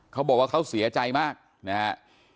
เขาบอกว่าเขาเสียใจมากนะฮะ